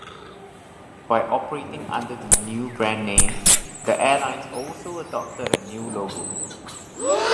By operating under the new brand name, the airlines also adopted a new logo.